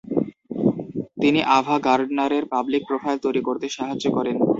তিনি আভা গার্ডনারের public profile তৈরি করতে সাহায্য করেন।